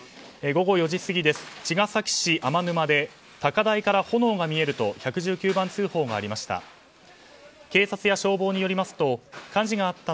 午後４時過ぎ、茅ヶ崎市で高台から炎が見えると１１９番通報がありました。